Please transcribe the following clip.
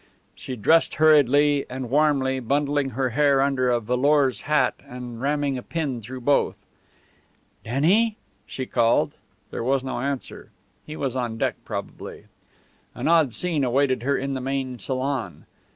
She dressed hurriedly and warmly, bundling her hair under a velours hat and ramming a pin through both. "Denny?" she called. There was no answer. He was on deck, probably. An odd scene awaited her in the main salon.